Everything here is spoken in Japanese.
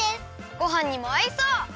ごはんにもあいそう！